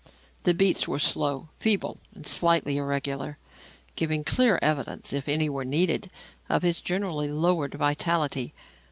The beats were slow, feeble and slightly irregular, giving clear evidence, if any were needed, of his generally lowered vitality.